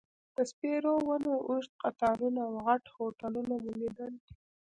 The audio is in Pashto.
د سپیرو ونو اوږد قطارونه او غټ هوټلونه مو لیدل.